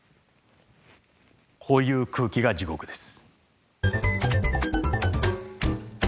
こういう空気が地獄です。